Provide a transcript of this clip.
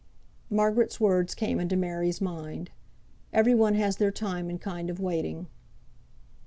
Margaret's words came into Mary's mind. Every one has their time and kind of waiting.